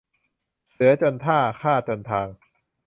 เสือจนท่า ข้าจนทาง